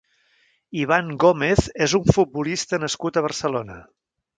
Iván Gómez és un futbolista nascut a Barcelona.